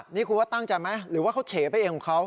นี่คุณว่าตั้งใจไหมหรือว่าเขาเฉไปเองของเขา